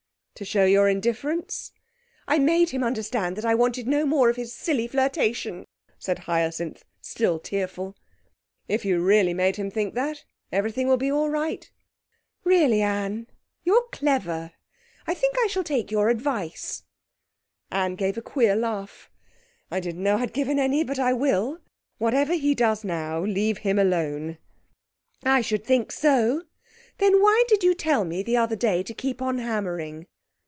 'To show your indifference?' 'I made him understand that I wanted no more of his silly flirtation,' said Hyacinth, still tearful. 'If you really made him think that, everything will be all right.' 'Really, Anne, you're clever. I think I shall take your advice.' Anne gave a queer laugh. 'I didn't know I'd given any, but I will. Whatever he does now, leave him alone!' 'I should think so! Then why did you tell me the other day to keep on hammering?'